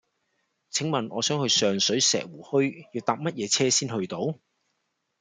請問我想去上水石湖墟要搭乜嘢車先去到